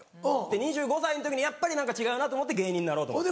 ２５歳の時にやっぱり何か違うなと思って芸人になろうと思って。